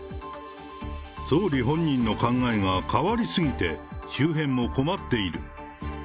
総理本人の考えが変わり過ぎて、周辺も困っている。